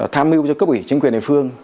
tham mưu cho cấp ủy chính quyền địa phương